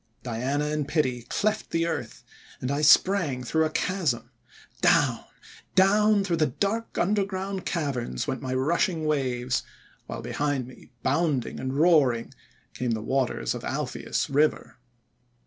"Diana in pity cleft the earth, and I sprang through a chasm. Down, down through the dark underground caverns went my rushing waves, while behind me, bounding and roaring, came the waters of Alpheus' river.